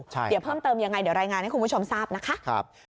เดี๋ยวเพิ่มเติมยังไงเดี๋ยวรายงานให้คุณผู้ชมทราบนะคะ